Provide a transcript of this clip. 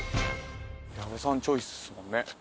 矢田さんチョイスですもんね。